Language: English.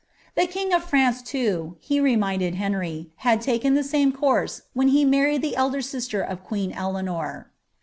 The king of Fmnce, loo, he remnidnd Henry, hod i^bi the same course, when he married the elder sister of queen Eleanor.'